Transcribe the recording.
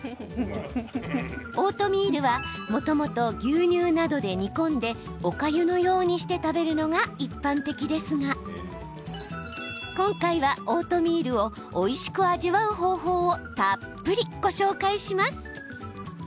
オートミールはもともと牛乳などで煮込んでおかゆのようにして食べるのが一般的ですが今回は、オートミールをおいしく味わう方法をたっぷりご紹介します。